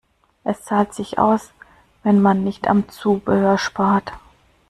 Es zahlt sich aus, wenn man nicht am Zubehör spart.